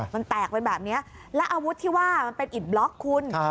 มันแตกไปแบบนี้แล้วอาวุธที่ว่ามันเป็นอิดบล็อกคุณ